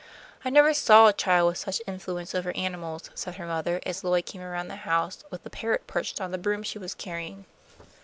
"I never saw a child with such influence over animals," said her mother, as Lloyd came around the house with the parrot perched on the broom she was carrying.